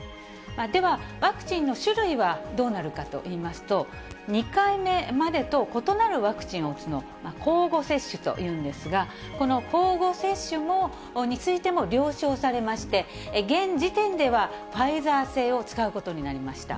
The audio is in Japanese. では、ワクチンの種類はどうなるかといいますと、２回目までと異なるワクチンを打つのを交互接種というんですが、この交互接種についても了承されまして、現時点ではファイザー製を使うことになりました。